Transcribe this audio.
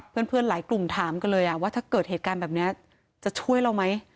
เพื่อนหลายกลุ่มถามกันเลยว่าถ้าเกิดเหตุการณ์แบบนี้จะช่วยเราไหม